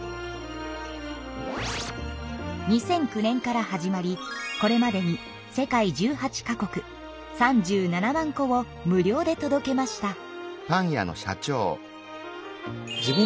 ２００９年から始まりこれまでに世界１８か国３７万個を無料でとどけました。